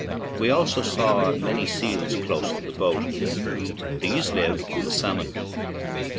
We also saw many seals close to the boat; these live on salmon.